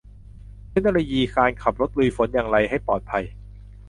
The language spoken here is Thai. เทคนิคการขับรถลุยฝนอย่างไรให้ปลอดภัย